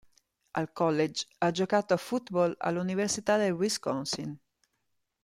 Al college ha giocato a football all’Università del Wisconsin.